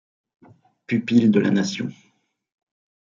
Pupile de la Nation.